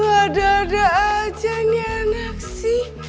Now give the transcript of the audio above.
ada ada aja nih anak sih